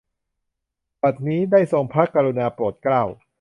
บัดนี้ ได้ทรงพระกรุณาโปรดเกล้า